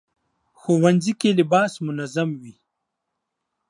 ښوونځی کې لباس منظم وي